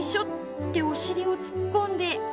っておしりをつっこんで。